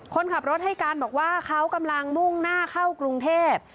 คนขับรถให้การบอกว่าเขากำลังมุ่งหน้าเข้ากรุงเทพ